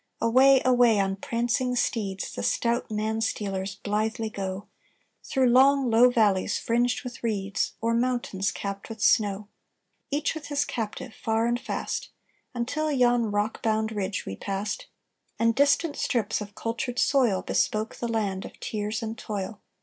"Away, away on prancing steeds The stout man stealers blithely go, Through long low valleys fringed with reeds, O'er mountains capped with snow Each with his captive, far and fast; Until yon rock bound ridge we passed, And distant strips of cultured soil Bespoke the land of tears and toil.